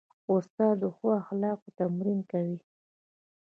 استاد د ښو اخلاقو تمرین کوي.